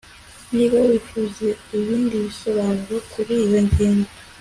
niba wifuza ibindi bisobanuro kuri iyo ngingo